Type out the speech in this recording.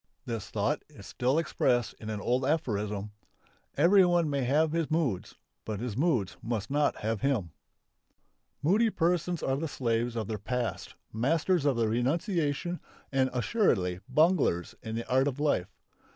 This thought is still expressed in an old aphorism. "Everyone may have his moods; but his moods must not have him." Moody persons are the slaves of their past, masters of renunciation and assuredly bunglers in the art of life.